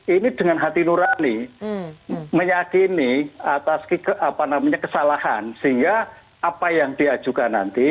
ini dengan hati nurani meyakini atas kesalahan sehingga apa yang diajukan nanti